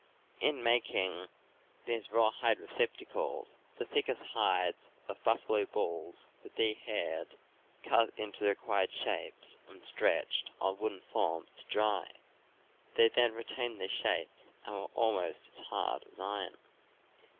In making these rawhide receptacles the thickest hides of buffalo bulls were dehaired, cut into the required shapes and stretched on wooden forms to dry; they then re tained their shapes and were almost as hard as iron.